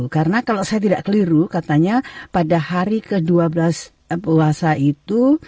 karena kalau saya tidak keliru katanya pada hari ke dua belas puasa itu